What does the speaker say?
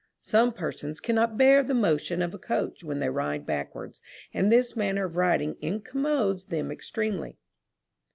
Some persons cannot bear the motion of a coach when they ride backwards; and this manner of riding incommodes them extremely.